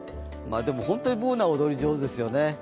本当にＢｏｏｎａ踊り上手ですよね。